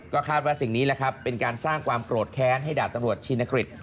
ก็คาดว่าสิ่งนี้แหละครับเป็นการสร้างความโกรธแค้นให้ดาบตำรวจชินกฤษ